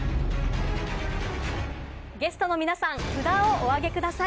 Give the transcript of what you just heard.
ゲストの皆さん札をお上げください。